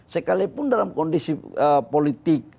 sekalipun dalam kondisi politik